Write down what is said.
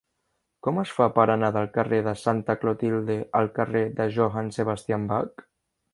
Com es fa per anar del carrer de Santa Clotilde al carrer de Johann Sebastian Bach?